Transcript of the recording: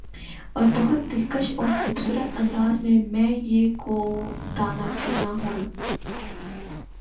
اور بَہُت دلکش اورخوبصورت انداز میں مَیں یِہ کو دانہ چننا ہونا